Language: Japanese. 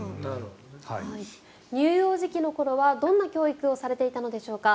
乳幼児期の頃はどんな教育をされていたのでしょうか。